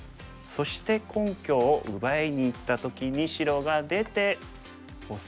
そして根拠を奪いにいった時に白が出て押さえて。